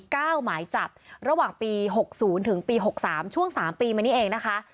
หมายจับระหว่างปีหกศูนย์ถึงปีหกสามช่วงสามปีมานี้เองนะคะ